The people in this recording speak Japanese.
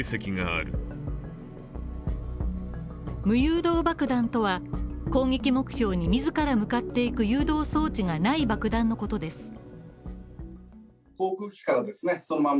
無誘導爆弾とは攻撃目標に自ら向かっていく誘導装置がない爆弾のことです。